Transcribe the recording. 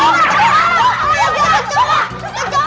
kecoh kecoh kecoh